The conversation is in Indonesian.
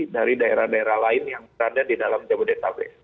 dari daerah daerah lain yang berada di dalam jabodetabek